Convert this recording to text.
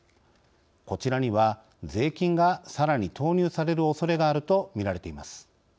こちらには税金がさらに投入されるおそれがあるとみられています。